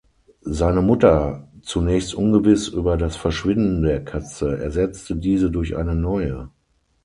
Seine Mutter, zunächst ungewiss über das Verschwinden der Katze, ersetzte diese durch eine neue.